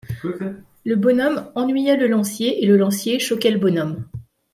Le bonhomme ennuyait le lancier, et le lancier choquait le bonhomme.